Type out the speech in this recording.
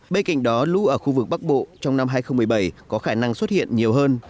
bên cạnh đó lũ ở khu vực bắc bộ trong năm hai nghìn một mươi bảy có khả năng xuất hiện nhiều hơn